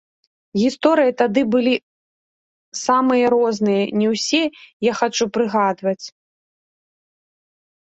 Гісторыя тады былі самыя розныя, не ўсе я хачу прыгадваць.